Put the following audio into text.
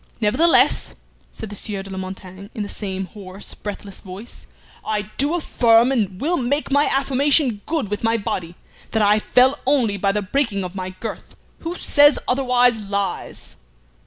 "Nevertheless," said the Sieur de la Montaigne, in the same hoarse, breathless voice, "I do affirm, and will make my affirmation good with my body, that I fell only by the breaking of my girth. Who says otherwise lies!"